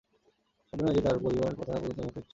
সাধ্য নাই যে, তাহার পড়িবার কথা পর্যন্ত মুখে উচ্চারণ করে।